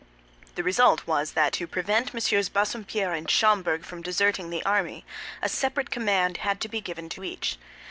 The result was that to prevent MM. Bassompierre and Schomberg from deserting the army, a separate command had to be given to each.